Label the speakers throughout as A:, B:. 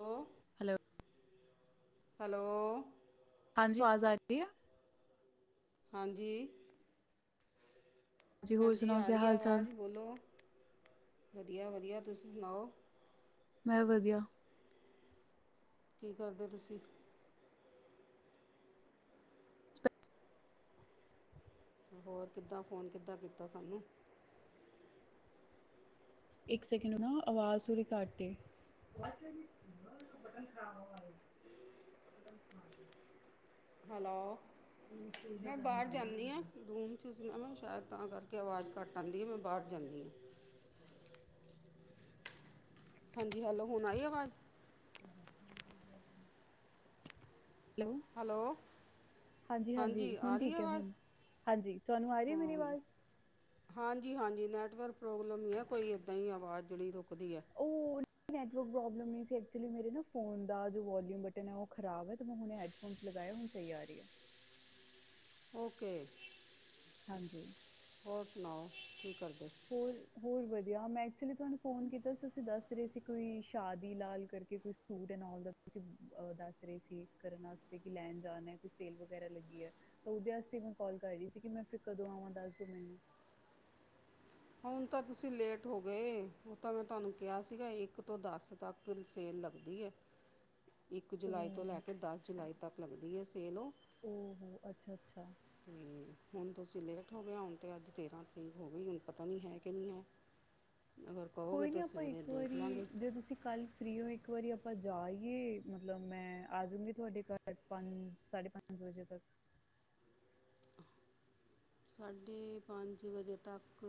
A: Hello
B: hello.
A: Hello.
B: ਹਾਂਜੀ, ਵਾਜ਼ ਆ ਈ ਐ।
A: ਹਾਂਜੀ।
B: ਜੀ ਹੋਰ
A: ਹਾਂਜੀ,
B: ਸੁਣਾਓ
A: ਆ
B: ਕਿਆ
A: ਰੀ ਐ
B: ਹਾਲ ਚਾਲ?
A: ਆਵਾਜ਼ ਬੋਲੋ, ਵਧੀਆ-ਵਧੀਆ, ਤੁਸੀਂ ਸੁਣਾਓ।
B: ਮੈਂ ਵਧੀਆ।
A: ਕੀ ਕਰਦੇ ਤੁਸੀਂ? ਹੋਰ ਕਿੱਦਾਂ, ਫੋਨ ਕਿੱਦਾਂ ਕੀਤਾ ਸਾਨੂੰ।
B: ਇੱਕ ਸੈਕਿੰਡ ਨਾ ਅਵਾਜ਼ ਥੋੜੀ ਘਟ ਏ। ਅਵਾ ਤੇਰੀ ਹ ਬਟਨ ਖਰਾਬ ਹੋਨ ਲਗ ਜਾ, ਬਟਨ ਖਰਾਬ ਹ
A: ਹੈਲੋ, ਮੈਂ ਬਾਰ ਜਾਂਨੀ ਆ ਰੂਮ ਚ ਸੀ ਨਾ ਮੈਂ ਸ਼ੈਦ ਤਾਂ ਕਰਕੇ ਆਵਾਜ਼ ਘੱਟ ਆਂਦੀ ਏ, ਮੈਂ ਬਾਰ ਜਾਂਨੀ ਆਂ। ਹਾਂਜੀ, ਹੈਲੋ ਹੁਣ ਆਈ ਆਵਾਜ਼।
B: [unintelligible] ਹੈਲੋ।
A: ਹੈਲੋ।
B: ਹਾਂਜੀ-ਹਾਂਜੀ,
A: ਹਾਂਜੀ ਆ
B: ਹੁਣ
A: ਰਹੀ
B: ਠੀਕੈ
A: ਆਵਾਜ਼
B: ਹੁਣ ਹਾਂਜੀ, ਤਾਨੂੰ ਆ ਰੀ ਮੇਰੀ ਆਵਾਜ਼।
A: ਹਾਂਜੀ-ਹਾਂਜੀ, ਨੈਟਵਰਕ ਪ੍ਰੋਬਲਮ ਹੀ ਐ ਕੋਈ ਏਦਾਂ ਈ ਆਵਾਜ਼ ਜੇੜੀ ਰੁਕਦੀ ਐ।
B: ਉਹ [unintelligible] ਨੈਟਵਰਕ ਪ੍ਰੋਬਲਮ ਨਹੀਂ ਸੀ ਐਕਚੁਲੀ ਮੇਰੇ ਨਾ ਫੋਨ ਦਾ ਜੋ ਵਾਲਿਯੁਮ ਬਟਨ ਹੈ ਔ ਖਰਾਬ ਹੈ, ਤਾਂ ਮੈਂ ਹੁਣੇ ਹੈਅ ਫੋਨਸ ਲਗਾਏ, ਹੁਣ ਸਈ ਆ ਰੀ ਐ।
A: ਹ [unintelligible] [unintelligible] ਔਕੇ, [unintelligible]
B: ਹਾਂਜੀ।
A: ਹੋਰ ਸੁਨਾਔ ਕੀ ਕਰਦੇ।
B: ਹੋਰ-ਹੋਅ ਹੋਰ ਵਧੀਆ, ਮੈਂ ਐਕਚੁਲੀ ਤਾਨੂੰ ਫੋਨ ਕੀਤਾ ਸੀ, ਤੁਸੀਂ ਦੱਸ ਰਹੇ ਸੀ ਕੋਈ ਸ਼ਾਦੀ ਲਾਲ ਕਰਕੇ ਕੋਈ ਸੂ ਦੇ ਨਾਲ ਦਾ ਤੁਸੀ ਅ ਦੱਸ ਰੇ ਸੀ। ਕਰਨ ਵਾਸਤੇ ਕਿ ਲੈਣ ਜਾਣਾ। ਕੋਈ ਸੇਲ ਵਗੈਰਾ ਲੱਗੀ ਏ। ਤੇ ਔਦੇ ਆਸਤੇ ਮੈਂ ਕਾਲ ਕਰੀ ਸੀ ਕਿ ਮੈਂ ਫੇਰ ਕਦੋਂ ਆਵਾਂ, ਦੱਸ ਦੋ ਮੈਨੂੰ।
A: ਹੁਣ ਤਾਂ ਤੁਸੀਂ ਲੇਟ ਹੋ ਗਏ, ਔ ਤਾਂ ਮੈਂ ਤਾਨੂੰ ਕਿਹਾ ਸੀਗਾ, ਇੱਕ ਤੋਂ ਦਸ ਤੱਕ ਸੇਲ ਲੱਗਦੀ ਏ।
B: [inaudible]
A: ਇੱਕ ਜੁਲਾਈ ਤੋਂ ਲੈ
B: ਓ
A: ਕੇ ਦਸ ਜੁਲਾਈ ਤੱਕ ਲੱਗਦੀ ਏ ਸੇਲ ਔ।
B: ਔਹੋੋ, ਅੱਛਾ-ਅੱਛਾ।
A: ਹਮ ਹੁਣ ਤੁਸੀਂ ਲੇਟ ਹੋ ਗਏ ਹੁਣ ਤਾਂ ਅੱਜ ਤੇਰ੍ਹਾਂ ਤਰੀਕ ਹੋ ਗੀ ਹੁਣ ਪਤਾ ਨੀ ਹੈ ਕਿ ਨੀ ਹੈ। ਨਅ
B: ਕੋਈ ਨੀ ਆਪਾਂ ਇੱਕ ਵਾਰੀ ਜੇ ਤੁਸੀਂ ਕੱਲ ਫਰੀ ਹੋ, ਇੱਕ ਵਾਰੀ ਆਪਾਂ ਜਾਈ ਏ ਮਤਲਬ ਮੈਂ ਆਜਊਂਗੀ ਤੁਹਾਡੇ ਘਰ ਪੰਜ ਸਾਢੇ ਪੰਜ ਜਦੋ ਤੱਕ
A: ਸਾਢੇ ਪੰਜ ਵਜੇ ਤੱਕ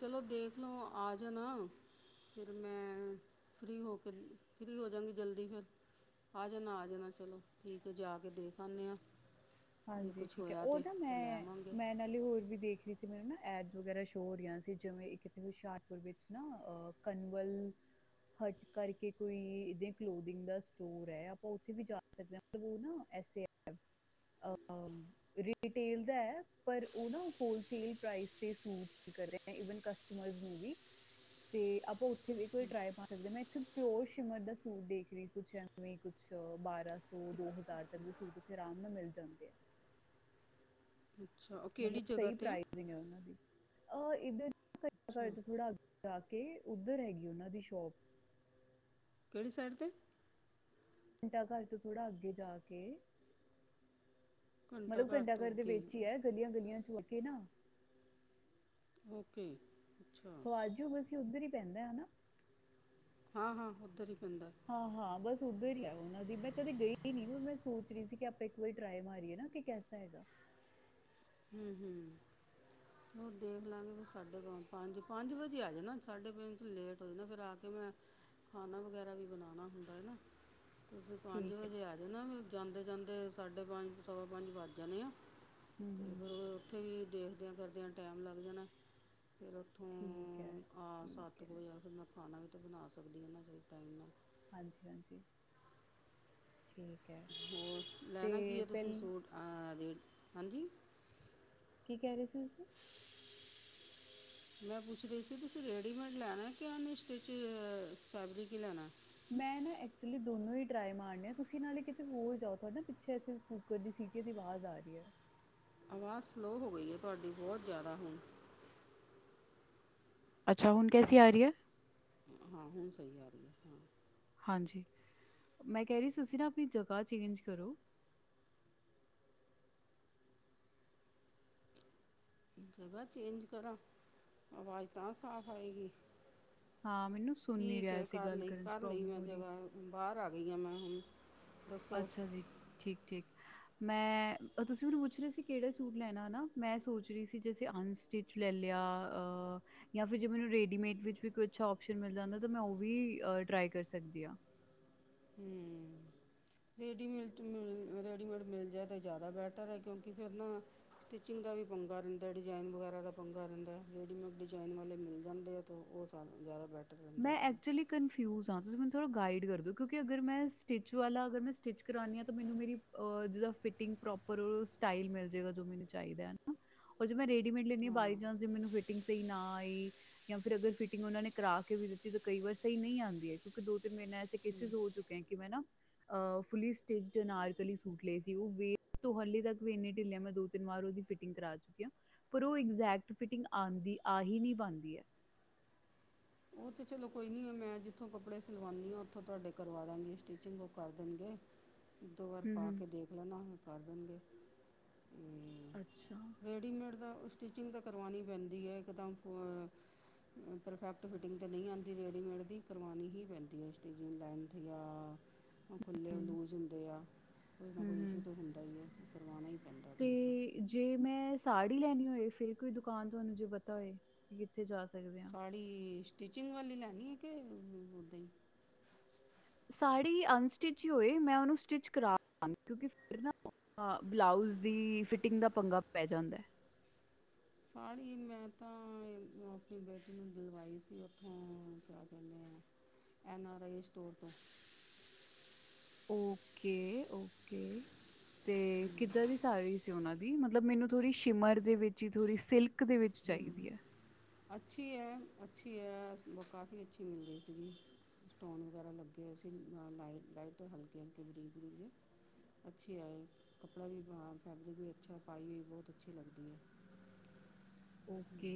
A: ਚਲੋ ਦੇਖਲੋ ਆ ਜਾਣਾ। ਫਿਰ ਮੈਂ ਫ੍ਰੀ ਹੋ ਕੇ ਫ੍ਰੀ ਹੋਜਾਗੀ ਜਲਦੀ ਫੇਰ ਆ ਜਨਾ ਆ ਜਨਾ ਚਲੋ ਠੀਕ ਏ ਜਾ ਕੇ ਦੇਖ ਆਨੀ ਆ।
B: ਹਾਂਜੀ ਠੀਕ ਐ ਔ ਨਾ ਮੈਂ, ਮੈਂ ਨਾਲੇ ਹੋਰ ਵੀ ਦੇਖ ਰਹੀ ਸੀ। ਮੈਨੂੰ ਨਾ ਐਡ ਵਗੈਰਾ ਸ਼ੋ ਹੋ ਰਹੀਆਂ ਸੀ ਜਿਵੇਂ ਇਕ ਹੁਸ਼ਿਆਰਪੁਰ ਵਿੱਚ ਨਾ ਅ ਕੰਨਵਲ, ਹੱਟ ਕਰਕੇ ਕੋਈ ਇਦ ਕਲੋਦਿੰਗ ਦਾ ਸਟੋਰ ਐ, ਆਪਾਂ ਉੱਥੇ ਵੀ ਜਾ ਸਕਦੇ ਹਾਂ ਮਲਬ ਉਹ ਨਾ, ਐੇ- ਆਹ ਰਿਟੈਲ ਦਾ ਏ ਪਰ ਉਹ ਨਾ ਹੋਲ ਸੇਲ ਪ੍ਰਾਈਜ ਤੇ ਸੂਟ ਕਰ- ਈਵਨ ਕਸਟਮਰਜ਼ ਨੂੰ ਵੀ। ਤੇ ਆਪਾਂ ਉੱਥੇ ਵੀ ਇਕ ਵਾਰੀ ਟਰਾਈ ਮਾਰ ਸਕਦੇ ਆ ਮੈਂ ਇਥੇ ਪਿਓਰ ਸ਼ਿਮਰ ਦਾ ਸੂਟ ਦੇਖ ਰਹੀ ਕੁਛ ਐ- ਜਿਵੇਂ ਕੁਛ ਬਾਰਾਂ ਸੌ, ਦੋ ਹਜ਼ਾਰ ਤੱਕ ਦੇ ਸੂਟ ਉੱਥੇ ਆਰਾਮ ਨਾਲ ਮਿਲ- ਜਾਂਦੇ ਆ।
A: ਅੱਛਾ ਕਿਹੜੀ
B: ਮਤਲਬ
A: ਜਗ੍ਹਾ
B: ਸਹੀ
A: ਤੇ ਆ
B: ਪ੍ਰਾਈਜਿੰਗ ਐ ਉਹਨਾਂ ਦੀ। ਅਹ ਇੱਧਰ ਘ
A: ਅੱਛਾ
B: ਘਰ ਤੋਂ ਥੋੜਾ ਅੱ ਜਾ ਕੇ ਉੱਧਰ ਹੈਗੀ ਉਹਨਾਂ ਦੀ ਸ਼ੋਪ।
A: ਕਿਹੜੀ ਸਾਈਡ 'ਤੇ।
B: ਘੰਟਾ ਘਰ ਤੋਂ ਥੋੜਾ ਅੱਗੇ ਜਾ ਕੇ,
A: ਘੰਟਾ
B: ਮਤਲਬ
A: ਘਰ ਤੋਂ
B: ਘੰਟਾਘਰ ਦੇ
A: ਅੱਗੇ
B: ਵਿੱਚ ਈ ਹੈ ਗਲੀਆਂ- ਗਲੀਆਂ ਚ ਜਾ ਕੇ ਨਾ।
A: ਓਕੇ ਅੱਛਾ।
B: ਖਵਾਜੂ ਬਸ ਉੱਧਰ ਹੀ ਪੈਂਦਾ ਹੈਨਾ।
A: ਹਾਂ- ਹਾਂ ਉੱਧਰ ਈ ਪੈਂਦਾ।
B: ਹਾਂ- ਹਾਂ ਬਸ ਉੱਧਰ ਈ ਆ ਉਹਨਾਂ ਦੀ, ਮੈਂ ਕਦੇ ਗਈ ਹੀ ਨੀ ਮੈਂ ਸੋਚ ਰਹੀ ਸੀ ਕਿ ਆਪਾਂ ਇੱਕ ਵਾਰੀ ਟਰਾਈ ਮਾਰੀਏ ਨਾ ਕਿ- ਹੈਗਾ।
A: ਹੂੰ -ਹੂੰ। ਹਾ ਦੇਖ ਲਾਂਗੇ ਫ ਸਾਢੇ ਪੰਜ, ਪੰਜ- ਪੰਜ ਵਜੇ ਆ ਜਾਣਾ ਸਾਢੇ ਪੰਜ ਚ ਲੇਟ ਹੋ ਜਾਣਾ ਫੇਰ ਰਾ- ਕਿ ਮੈਂ ਖਾਣਾ ਵਗੈਰਾ ਵੀ ਬਣਾਣਾ ਹੁੰਦਾ ਹੈ ਨਾ ਤੁਸੀਂ ਪੰਜ
B: ਠੀਕ ਹੈ
A: ਵਜੇ ਆ ਜਾ ਨਾ ਵੀ ਜਾਂਦੇ- ਜਾਂਦੇ ਸਾਢੇ ਪੰਜ, ਸਵਾ ਪੰਜ ਵੱਜ ਜਾਣੇ ਆ।
B: ਹੂੰ-ਹੂੰ
A: ਫੇਰ ਉੱਥੇ ਵੀ ਦੇਖਦਿਆਂ ਕਰਦਿਆਂ ਟਾਈਮ ਲੱਗ ਜਾਣਾ ਫੇਰ -
B: ਠੀਕ ਹੈ- ਠੀਕ ਹੈ।
A: ਫਿਰ ਮੈਂ ਖਾਣਾ ਵੀ ਤਾਂ ਬਣਾ ਸਕਦੀ ਹੈ ਨਾ ਸਹੀ ਟਾਈਮ ਨਾਲ।
B: ਹਾਂਜੀ- ਹਾਂਜੀ ਠੀਕ। ਹੈ
A: ਹੋਰ ਲੈਣਾ ਕੀ
B: ਤੇ
A: ਹੈ ਤੁਸੀਂ
B: ਪਹਿਲ
A: ਸੂਟ, ਹਾਂਜੀ।
B: ਕੀ ਕਹਿ ਰਹੇ ਸੀ ਤੁਸੀਂ?
A: ਹ [unintelligible] ਮੈਂ ਪੁੱਛ ਰਹੀ ਸੀ ਤੁਸੀਂ ਰੈਡੀਮੇਡ ਲੈਣਾ ਕਿ ਅਨਸਟਿਚ ਫੈਬਰਿਕ ਈ ਲੈਣਾ ਏ।
B: ਮੈਂ ਨਾ ਐਕਚੁਲੀ ਦੋਨੋ ਹੀ ਟਰਾਈ ਮਾਰਨੀ ਤੁਸੀਂ ਨਾਲੇ ਕਿਤੇ ਹੋਰ ਜਾਓ ਤੁਡੇ ਨਾ ਪਿੱਛੇ ਅਸੀਂ, ਕੂੱਕਰ ਦੀ ਸੀਟੀ ਦੀ ਆਵਾਜ਼ ਆ ਰਹੀ ਐ।
A: ਆਵਾਜ਼ ਸਲੋਅ ਹੋ ਗਈ ਐ ਤੁਹਾਡੀ ਬੋਤ ਜ਼ਾਦਾ ਹੁਣ।
B: ਅੱਛਾ ਹੁਣ ਕੈਸੀ ਆ ਰਹੀ ਐ?
A: ਹਾਂ ਹੁਣ ਸਹੀ ਆ ਰਹੀ ਐ, ਹਾਂ।
B: ਹਾਂਜੀ ਮੈਂ ਕਹਿ ਰਹੀ ਤੁਸੀਂ ਨਾ ਆਪਣੀ ਜਗਾ ਚੇਂਜ ਕਰੋ।
A: ਜਗਾ ਚੇਂਜ ਕਰਾਂ ਆਵਾਜ਼ ਤਾਂ ਸਾਫ਼ ਆਏਗੀ।
B: ਹਾਂ ਮੈਨੂੰ ਸੁਣ ਨਹੀਂ
A: ਠੀਕ
B: ਰਿਹਾ
A: ਏ
B: ਐਸੀ
A: ਕਰ
B: ਗੱਲ
A: ਲਈ-
B: ਕਰਨ 'ਚ
A: ਕਰ ਲਈ
B: ਪ੍ਰੋਬਲਮ
A: ਮੈਂ
B: ਹੋ ਰਹੀ
A: ਜਗਾ ਬਾਹਰ ਆ ਗਈ ਹਾਂ ਮੈਂ ਹੁਣ। ਦੱਸੋ
B: ਅੱਛਾ ਜੀ ਠੀਕ- ਠੀਕ। ਮੈਂ ਤੁਸੀਂ ਮੈਨੂੰ ਪੁੱਛ ਰਹੇ ਸੀ ਕਿਹੜਾ ਸੂਟ ਲੈਣਾ ਮੈਂ ਸੋਚ ਰਹੀ ਸੀ ਜੈਸੇ ਅਨਸ- ਸਟਿਚ ਲੈ ਲਿਆ, ਆ। ਜਾਂ ਫੇਰ ਜੇ ਮੈਨੂੰ ਰੇਡੀਮੇਡ ਵਿੱਚ ਵੀ ਈ ਅਛਾ ਮਿਲ ਜਾਂਦਾ ਤਾਂ ਮੈਂ ਉਹ ਵੀ ਟਰਾਈ ਕਰ ਸਕਦੀ ਆ [inaudible]
A: ਰੇਡੀਮੇਡ ਮਿੰਟ ਮਿਲ ਰੇਡੀਮੇਡ ਮਿਲ ਜਾਏ ਤਾਂ ਜਾਦਾ ਬੈਟਰ ਐ ਕਿਉਂਕਿ ਫਿਰ ਨਾ ਸਟਿਚਿੰਗ ਦਾ ਵੀ ਪੰਗਾ ਰੈਂਦਾ ਡਿਜ਼ਾਇਨ ਵਗੈਰਾ ਦਾ ਪੰਗਾ ਰੈਂਦਾ ਰੇਡੀਮੇਡ ਡਿਜ਼ਾਇਨ ਵਾਲੇ ਮਿਲ ਜਾਂਦੇ ਆ। ਤਾਂ ਓ ਸਾਨੂੰ ਜਾਦਾ ਬੈ
B: ਮੈਂ ਐਕਚੁਲੀ ਕਨਫਿਊਜ਼ ਆਂ ਤੁਸੀ ਮੈਨੂੰ ਥੋੜ੍ਹਾ ਗਾਈਡ ਕਰ ਦਿਉ ਕਿਉਂਕਿ ਅਗਰ ਮੈਂ ਸਟਿਚ ਵਾਲਾ ਅਗਰ ਮੈਂ ਸਟਿਚ ਕਰਾਣੀ ਆਂ ਮੈਨੂੰ ਮੇਰੀ ਓ ਜਿਦਾਂ ਫਿਟਿੰਗ ਪ੍ਰੋਪਰ ਸਟਾਈਲ ਮਿਲ ਜਾਏਗਾ ਜੋ ਮੈਨੂੰ ਚਾਈਦਾ। ਉਂਜ ਮੈਂ ਰੇਡੀਮੇਡ ਲੈਂਣੀ ਬਾਈ
A: ਹਾਂ
B: ਚਾਂਸ ਮੈਨੂੰ ਫਿਟਿੰਗ ਸਈ ਨਾ ਆਈ ਜਾਂ ਫਿਰ ਅਗਰ ਫਿਟਿੰਗ ਉਨਾ ਕਰਾ ਕਰਕੇ ਵੀ ਦਿੱਤੀ ਕਈ ਵਾਰ ਸਈ ਨਈ ਆਂਦੀ ਐ ਕਿਉਕਿ ਦੋ ਤਿੰਨ ਮੇਰੇ ਨਾਲ ਐੇਸੇ ਕੇਸਿਸ ਹੋ ਚੁੱਕੇ ਕਿ ਮੈਂ ਨਾ ਅ ਫੁਲੀ ਸਟਿਚ ਅਨਾਰਕਲੀ ਸੂਟ ਲਏ ਸੀ ਓ ਹਲੇ ਤਕ ਵੀ ਇੰਨੇ ਢਿੱਲੇ ਮੈਂ ਦੋ ਤਿੰਨ ਵਾਰ ਉਦੀ ਫਿ ਕਰਾ ਚੁੱਕੀ ਆਂ ਪਰ ਓਜੈਕਟ ਫਿਟਿੰਗ ਆਂਦੀ ਆ ਹੀ ਨਈ ਪਾਂਦੀ ਐ।
A: ਓ ਤਾਂ ਚਲੋ ਕੋਈ ਨਈ ਮੈਂ ਜਿੱਥੋਂ ਕੱਪੜੇ ਸਿਲਵਾਂਣੀ ਆਂ ਉੱਥੋਂ ਤੁਹਾਡੇ ਕਰਵਾ ਦਾਂਗੀ ਸਟੀਿਚਿੰਗ ਓ ਕਰ ਦੇਣਗੇ। ਦੋ ਵਾਰ
B: ਹੂੰ
A: ਪਾ
B: ਹੂੰ
A: ਕੇ ਦੇਖ ਲੈਣਾ ਓ ਕਰ ਦੇਣਗੇ ਹੂੰ।
B: ਅੱਛਾ
A: ਰੈਡੀਮੇਡ ਦਾ ਸਟਿਚਿੰਗ ਤਾਂ ਕਰਵਾਣੀ ਪੈਂਦੀ ਏ ਇੱਕਦਮ ਫੇਰ ਪਰਫੈਕਟ ਫਿਟਿੰਗ ਤਾਂ ਨਈ ਆਂਦੀ ਰੇਡੀਮੇਡ ਦੀ ਕਰਵਾਣੀ ਈ ਪੈਂਦੀ ਏ ਸਟਿਜਿੰਗ ਲੈਂਥ ਜਾਂ ਓ ਖੁੱਲੇ ਓ ਲੂਜ ਹੁੰਦੇ ਆ ਕੋਈ ਨਾ
B: ਹੂੰ
A: ਕੋਈ ਇਸ਼ੂ
B: ਹੂੰ
A: ਤਾਂ ਹੁੰਦਾ ਹੀ ਆ ਕਰਵਾਣਾ ਈ
B: ਤੇ ਜੇ ਮੈਂ ਸਾੜੀ ਲੈਣੀ ਹੋਏ ਫਿਰ ਕੋਈ ਦੁਕਾਨ ਤੁਹਾਨੂੰ ਜੇ ਪਤਾ ਹੋਏ। ਕਿੱਥੇ ਜਾ ਸਕਦੇ ਆਂ।
A: ਸਾੜੀ ਸਟਿਚਿੰਗ ਵਾਲੀ ਲੈਣੀ ਹੈ ਕਿ ਉਦਾਂ ਈ।
B: ਸਾੜੀ ਅਨਸਟਿਚ ਈ ਹੋਏ ਮੈਂ ਉਨੂੰ ਸਟਿਚ ਕਰਾਂਗੀ ਕਿਉਂਕਿ ਫਿਰ ਨਾ ਹਾਂ ਬਲਾਉਜ ਦੀ ਫਿਟਿੰਗ ਦਾ ਪੰਗਾ ਪੈ ਜਾਂਦਾ ਐ।
A: ਸਾਰੀ ਮੈਂ ਤਾਂ ਆਪਣੀ ਬੇਟੀ ਨੂੰ ਦਿਲਵਾਈ ਸੀ ਉੱਥੋਂ ਕਿਆ ਕੈਂਦੇ ਆ। ਐਨ ਆਰ ਆਈ ਸਟੋਰ ਤੋਂ [inaudible]
B: ਓਕੇ-ਓਕੇ ਤੇ ਕਿੱਦਾਂ ਦੀ ਸਾੜੀ ਸੀ ਉਨਾਂ ਦੀ ਮਤਲਬ ਮੈਨੂੰ ਥੋੜ੍ਹੀ ਸ਼ਿਮਰ ਦੇ ਵਿੱਚ ਹੀ ਥੋੜ੍ਹੀ ਸਿਲਕ ਦੇ ਵਿੱਚ ਚਾਈਦੀ ਐ।
A: ਅੱਛੀ ਐ-ਅੱਛੀ ਐ ਕਾਫੀ ਅੱਛੀ ਮਿਲ ਗਈ ਸੀਗੀ। ਸਟੋਨ ਵਗੈਰਾ ਲੱਗੇ ਅਸੀਂ ਲਾਈਟ-ਲਾਈਟ ਹਲਕੇ-ਹਲਕੇ ਬਰੀਕ-ਬਰੀਕ ਅੱਛੀ ਆਈ ਕੱਪੜਾ ਵੀ ਫੈਬਰਿਕ ਵੀ ਅੱਛਾ ਪਾਈ ਵੀ ਬੋਤ ਅੱਛੀ ਲੱਗਦੀ ਏ।
B: ਓਕੇ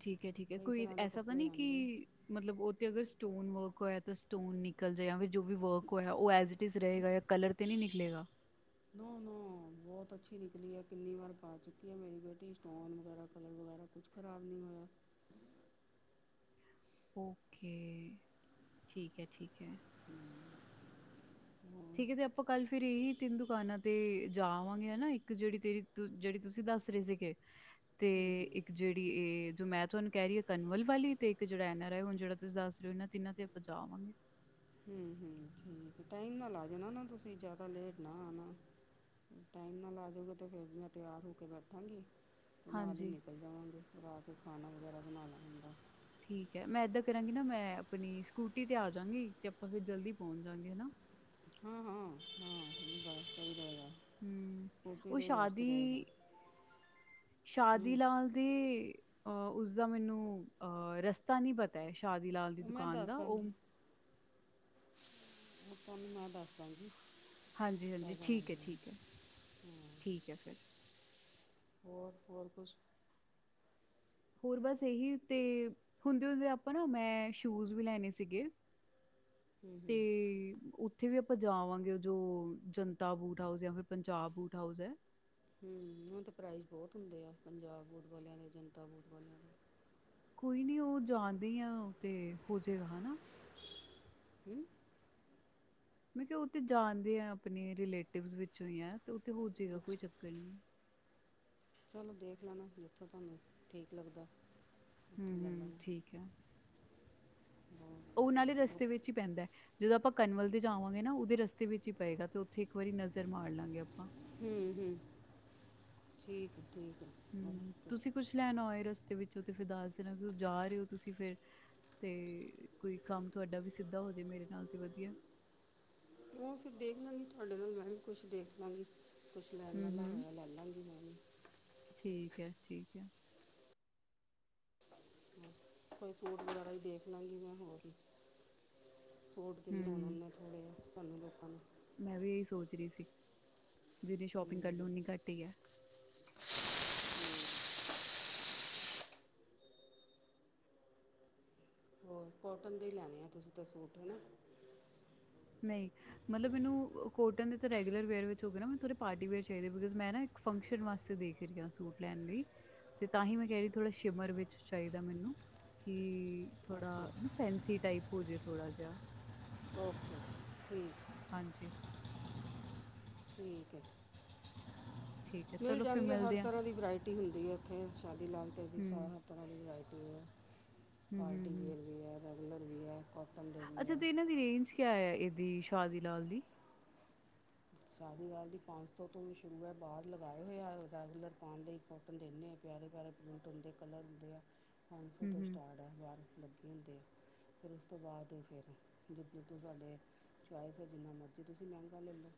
B: ਠੀਕ ਏ-ਠੀਕ ਏ
A: ਕਈ
B: ਕੋਈ
A: ਤਰ੍ਹਾਂ ਦੇ
B: ਐਸਾ ਤਾਂ
A: ਕੱਪੜੇ
B: ਨੀ ਕੀ
A: ਆਉਂਦੇ
B: ਮਤਲਬ ਓ ਤੇ ਅਗਰ ਸਟੋਨ ਵਰਕ ਹੋਇਆ ਤਾਂ ਸਟੋਨ ਨਿਕਲ ਜਾ ਜੋ ਵੀ ਵਰਕ ਹੋਇਆ ਓ ਐਜ ਇਟ ਇਜ਼ ਰਏਗਾ ਜਾਂ ਕਲਰ ਤੇ ਨਈ ਨਿਕਲੇਗਾ।
A: ਨੋ ਨੋ
B: [inaudible]
A: ਬਹੁਤ ਅੱਛੀ ਨਿਕਲੀ ਏ ਕਿੰਨੀ ਵਾਰ ਪਾ ਚੁੱਕੀ ਏ ਮੇਰੀ ਬੇਟੀ ਸਟੋਨ ਵਗੈਰਾ ਕਲਰ ਵਗੈਰਾ ਕੁਛ ਖ਼ਰਾਬ ਨਈ ਹੋਇਆ।
B: ਓਕੇ ਠੀਕ ਏ-ਠੀਕ ਏ।
A: ਹਾਂ,
B: ਠੀਕ ਏ ਤੇ ਆਪਾਂ ਕੱਲ ਫਿਰ ਇਹੀ ਤਿੰਨ ਦੁਕਾਨਾਂ ਤੇ ਜਾ ਆਵਾਂਗੇ ਹਨਾ ਇੱਕ ਜੇੜੀ ਤੇਰੀ ਜੇੜੀ ਤੁਸੀਂ ਦੱਸ ਰਏ ਸੀਗੇ ਤੇ
A: ਹੂੰ ਹੂੰ
B: ਇੱਕ ਜੇੜੀ ਐ ਜੋ ਮੈਂ ਤੁਹਾਨੂੰ ਕੈ ਰਈ। ਕੰਵਲ ਵਾਲੀ ਤੇ ਇੱਕ ਜੇੜਾ ਐਨ ਆਰ ਆਈ ਹੁਣ ਜੇੜਾ ਤੁਸੀਂ ਦੱਸ ਰਏ ਇਨਾ ਤਿੰਨਾ ਤੇ ਆਪਾਂ ਜਾਵਾਂਗੇ।
A: ਹੂੰ ਹੂੰ
B: [inaudible]
A: ਠੀਕ ਟਾਈਮ ਨਾਲ ਜਾਣਾ ਨਾ ਤੁਸੀਂ ਜਾਦਾ ਲੇਟ ਨਾ ਆਣਾ। ਟਾਈਮ ਨਾਲ ਆਜੋਗੇ ਤੇ ਫਿਰ ਮੈਂ ਤਿਆਰ ਹੋ ਕੇ ਬੈਠਾਂਗੀ। ਤੇ ਨਾਲ ਈ
B: ਹਾਂਜੀ
A: ਨਿਕਲ ਜਾਵਾਂਗੇ ਰਾਤ ਖਾਣਾ ਵਗੈਰਾ ਬਣਾਣਾ ਹੁੰਦਾ।
B: ਠੀਕ ਹੈ ਮੈਂ ਏਦਾਂ ਕਰਾਂਗੀ ਨਾ ਮੈਂ ਆਪਣੀ ਸਕੂਟੀ ਤੇ ਆ ਜਾਂਗੀ ਤੇ ਆਪਾਂ ਫਿਰ ਜਲਦੀ ਪਹੁੰਚ ਜਾਂਗੇ ਹਨਾ।
A: ਹਾਂ-ਹਾਂ-ਹਾਂ ਸਈ ਗੱਲ- ਸਈ ਗੱਲ ਐ।
B: ਹੂੰ ਓ ਸ਼ਾਦੀ ਸ਼ਾਦੀ
A: ਹੂੰ
B: ਲਾਲ ਦੀ ਅ ਉਸਦਾ ਮੈਨੂੰ ਅ ਰਸਤਾ ਨੀ ਪਤਾ ਏ ਸ਼ਾਦੀ ਲਾਲ ਦੀ ਦੁਕਾਨ ਦਾ ਓ
A: ਓ ਤਾਨੂੰ ਮੈਂ ਦੱਸਦਾ ਗੀ। [inaudible]
B: ਹਾਂਜੀ ਹਾਂਜੀ ਠੀਕ ਹੈ ਠੀਕ ਹੈ ਠੀਕ ਹੈ ਫਿਰ
A: ਹੋਰ, ਹੋਰ ਕੁਛ।
B: ਹੋਰ ਬਸ ਏਹੀ ਤੇ ਹੁੰਦੇ-ਹੁੰਦੇ ਆਪਾਂ ਨਾ, ਮੈਂ ਸ਼ੂਜ ਵੀ ਲੈਣੇ ਸੀਗੇ।
A: ਹੂੰ
B: ਤੇ
A: ਹੂੰ
B: ਉ ਓਥੇ ਵੀ ਆਪਾਂ ਜਾ ਆਵਾਂਗੇ ਜੋ ਜਨਤਾ ਬੂਟ-ਹਾਊਸ ਯਾਂ ਫਿਰ ਪੰਜਾਬ ਬੂਟ-ਹਾਊਸ ਐ।
A: ਹਮ ਓਨਾਂ ਦੇ ਪ੍ਰਾਈਜ਼ ਬੋਤ ਹੁੰਦੇ ਐ, ਪੰਜਾਬ ਬੂਟ ਵਾਲਿਆਂ ਦੇ ਜਨਤਾ ਬੂਟ ਵਾਲਿਆਂ ਦੇ।
B: ਕੋਈ ਨੀ ਓ ਜਾਨਦੇ ਈ ਆਂ, ਤੇ ਹੋਜੇਗਾ ਹਨਾ
A: [inaudible]
B: ਮੈਂ ਕਿਆ ਓ ਤੇ ਜਾਨਦੇ ਏਂ, ਆਪਣੇ ਰਿਲੇਟਿਵਸ ਵਿੱਚੋਂ ਈ ਐ, ਤੇ ਓ ਤੇ ਹੋ ਜੇਗਾ ਕੋਈ
A: ਅੱਛਾ
B: ਚੱਕਰ ਨਈ।
A: ਚਲੋ ਦੇਖ ਲੈਣਾ, ਜਿੱਥੋਂ ਤਾਨੂੰ, ਠੀਕ ਲੱਗਦਾ। ਉੱਥੋਂ ਲੈ
B: ਹਮ-ਹਮ
A: ਲੈਣਾ
B: ਠੀਕ ਐ। ਓ ਨਾਲੇ
A: ਹੋਰ
B: ਰਸਤੇ ਵਿੱਚ ਈ ਪੈਂਦਾ। ਜਦੋਂ ਆਪਾਂ ਕਨਮਲ ਦੇ ਜਾਵਾਂਗੇ ਨਾ, ਓਦੇ ਰਸਤੇ ਵਿੱਚ ਈ ਪਏਗਾ, ਤੇ ਉੱਥੇ ਇੱਕ ਵਾਰੀ ਨਜ਼ਰ ਮਾਰ ਲਾਂਗੇ ਆਪਾਂ
A: ਹੂੰ -ਹੂੰ, ਠੀਕ ਏ, ਠੀਕ ਏ।
B: ਹੂੰ, ਤੁਸੀਂ ਕੁਸ਼ ਲੈਣਾ ਹੋਏ ਰਸਤੇ ਵਿੱਚੋਂ ਤੇ ਫਿਰ ਦੱਸ ਦੇਣਾ, ਕਿਉਂ ਜਾ ਰਏ ਓ ਤੁਸੀਂ ਫੇਰ ਤੇ ਕੋਈ ਕੰਮ ਤੁਆਡਾ ਵੀ ਸਿੱਧਾ ਹੋਜੇ ਮੇਰੇ ਨਾਲ ਤੇ ਵਦੀਐ
A: ਓ ਫਿਰ ਦੇਖ ਲਾਂਗੀ, ਤੁਆਡੇ ਨਾਲ ਮੈਂ ਵੀ ਕੁਸ਼ ਦੇਖ ਲਾਂਗੀ, ਕੁਸ਼ ਲੈ
B: ਹੂੰ-ਹੂੰ
A: ਲੈਲਾ ਗੀ ਮੈ ਵੀ। [inaudible]
B: ਠੀਕ ਐ, ਠੀਕ ਐ।
A: ਹਾਂ। ਕੋਈ ਸੂਟ ਵਗੈਰਾ ਈ ਦੇਖ ਲਾਂਗੀ ਮੈਂ ਹੋਰ ਨੀ, ਸੂਟ ਜਿੰਨੇ ਹੋਣ
B: ਹਮ
A: ਓਨੇ ਥੋੜੇ ਆ ਸਾਨੂੰ ਲੋਕਾਂ ਨੂੰ
B: ਮੈਂ ਵੀ ਏਈ ਸੋਚ ਰਈ ਸੀ, ਜਿੰਨੀ ਸ਼ੋਪਿੰਗ ਕਰ ਲੂੰ ਉਨੀ ਘੱਟ ਈ ਐ।
A: ਹੂੰ ਹੋਰ ਕੋਟਨ ਦੇ ਈ ਲੈਣੇ ਆ, ਤੁਸੀਂ ਤਾਂ ਸੂਟ ਹਨਾ
B: ਨਈ, ਮਤਲਬ ਮੈਨੂੰ ਕੋਟਨ ਦੇ ਤਾਂ ਰੈਗੂਲਰ ਵੇਅਰ ਵਿੱਚ ਹੋ ਗਏ ਨਾ, ਮੈਂਨੂੰ ਥੋੜੇ ਪਾਰਟੀ ਵੇਅਰ ਚਾਈਦੇ ਆ, ਬਿਕੋਜ਼ ਮੈਂ ਨਾ ਫੰਕਸ਼ਨ ਵਾਸਤੇ ਦੇਖ ਰਈ ਆ ਸੂਟ ਲੈਣ ਲਈ ਤੇ ਤਾਂ ਹੀ ਮੈਂ ਕੈਅ ਰਈ ਥੋੜਾ ਸ਼ਿਮਰ ਵਿੱਚ ਚਾਈਦਾ ਮੈਨੂੰ ਕਿ
A: ਓਕੇ
B: ਥੋੜਾ ਨਾ ਫੈਂਸੀ ਟਾਈਪ ਹੋ ਜੇ ਥੋੜਾ ਜੇਆ
A: ਓਕੇ [inaudible]
B: ਹਾਂਜੀ।
A: [inaudible] ਠੀਕ ਐ,
B: ਠੀਕ ਹੈ
A: ਮਿਲ
B: ਚਲੋ ਫਿਰ
A: ਜਾਣਗੇ ਹਰ
B: ਮਿਲਦੇ ਆ
A: ਤਰਾਂ ਦੀ ਵਰਾਇਟੀ ਟੀ ਹੁੰਦੀ ਐ ਉੱਥੇ, ਸ਼ਾਦੀ ਲਾਲ ਦੇ ਵੀ
B: ਹੂੰ
A: ਸ ਹਰ ਤਰਾਂ ਦੀ ਵਰਾਇਟੀ ਐ।
B: ਹੂੰ ਹੂੰ
A: ਪਾਰਟੀ
B: ਹੂੰ
A: ਵੀਅਰ ਵੀ ਐ, ਰੈਗੂਲਰ ਵੀ ਐ।
B: ਅੱਛਾ ਤੇ ਏਨਾਂ ਦੀ ਰੇਂਜ ਕਿਆ ਏ, ਏਦੀ ਸ਼ਾਦੀ ਲਾਲ ਦੀ?
A: ਸ਼ਾਦੀ ਲਾਲ ਦੀ ਪੰਜ ਸੌ ਤੋਂ ਵੀ ਸ਼ੁਰੂ ਐ, ਬਾਰ ਲਗਾਏ ਹੋਏ ਆ ਰੈਗੁਲਰ ਪਾਣ ਲਈ। ਓਨਾ ਦੇ ਇੰਨੇ ਪਿਆਰੇ-ਪਿਆਰੇ ਪ੍ਰਿੰਟ ਹੁੰਦੇ ਐ, ਕਲਰ ਹੁੰਦੇ ਐ ਪੰਜ ਸੌ
B: ਹੂੰ
A: ਤੋਂ
B: ਹੂੰ
A: ਸਟਾਟ ਤਾ ਬਾਰ ਲੱਗੇ ਹੁੰਦੇ ਆ, ਫਿਰ ਉਸ ਤੋਂ ਬਾਦ ਫੇਰ ਜਿੰਨੀ ਕੁ ਸਾਡੇ ਚੁਆਇਸ ਆ, ਜਿੰਨਾ ਮਰਜ਼ੀ ਤੁਸੀਂ ਮੇਂਗਾ ਲੈ ਲੋ।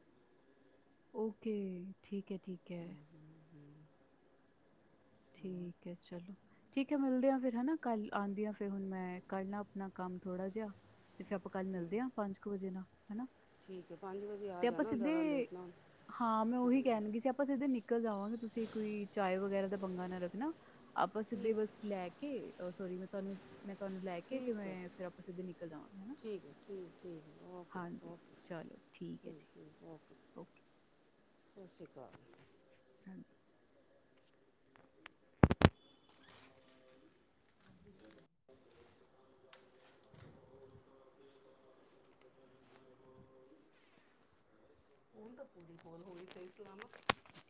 B: ਓਕੇ, ਠੀਕ ਐ, ਠੀਕ ਐ।
A: ਹਮ, ਹਮ, ਹਮ, ਹੋਰ?
B: ਠੀਕ ਐ, ਚਲੋ। ਠੀਕ ਐ ਮਿਲਦੇ ਆਂ ਫਿਰ ਹਨਾ ਕੱਲ, ਆਂਦੀ ਆ ਫਿਰ ਹੁਣ ਮੈਂ ਕਰ ਲਾਂ ਆਪਣਾ ਕੰਮ ਥੋੜਾ ਜਿਆ ਤੇ ਫਿਰ ਆਪਾਂ ਕੱਲ
A: ਹਮ,
B: ਮਿਲਦੇ ਆ, ਪੰਜ ਕ ਵਜੇ ਨਾ ਹਨਾਂ।
A: ਠੀਕ ਐ ਪੰਜ ਵਜੇ ਆ
B: ਤੇ ਆਪਾਂ
A: ਜਾਣਾ ਜ਼ਿਆਦਾ
B: ਸਿੱਧੇ,
A: ਲੇਟ ਨਾ ਹੋਣਾ।
B: ਹਾਂ ਮੈਂ ਉਹੀ
A: ਹਾਂ,
B: ਕਹਿਣ ਲੱਗੀ ਸੀ, ਆਪਾਂ ਸਿੱਧੇ ਨਿ ਕਲ ਜਾਵਾਂਗੇ, ਤੁਸੀਂ ਕੋਈ ਚਾਏ ਵਗੈਰਾ ਦਾ ਪੰਗਾ ਨਾਂ ਰੱਖਣਾ, ਆਪਾਂ ਸਿੱਧੇ
A: ਠੀਕ
B: ਬਸ ਲੈ ਕੇ ਅ ਸੋਰੀ ਮੈਂ ਤੁਹਾਨੂੰ ਮੈਂ ਤੁਹਾਨੂੰ ਲੈ ਕੇ ਤੇ
A: ਠੀਕ ਹੈ
B: ਮੈਂ, ਫ਼ੇਰ ਆਪਾਂ ਸਿੱਧੇ ਨਿਕਲ ਜਾਵਾਂਗੇ ਹਨਾਂ,
A: ਠੀਕ ਹੈ ਠੀਕ ਠੀਕ ਹੈ, ਓਕੇ
B: ਹਾਂਜੀ,
A: ਓਕੇ
B: ਚਲੋ। ਠੀਕ ਐ ਜੀ, ਓਕੇ।
A: ਸਤਿ ਸ੍ਰੀ ਅਕਾਲ।
B: ਹਾਂਜੀ। ਹਾਂਜੀ।
A: ਹੁਣ ਤਾਂ ਪੂਰੀ ਹੋਰ ਹੋਣੀ ਸਹੀ ਸਲਾਮਤ।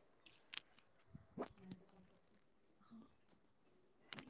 B: ਹਾਂਜੀ। ਹਾਂ